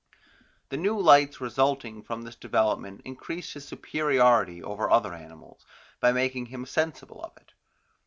The new lights resulting from this development increased his superiority over other animals, by making him sensible of it.